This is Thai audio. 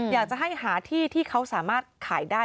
อยากจะให้หาที่ที่เขาสามารถขายได้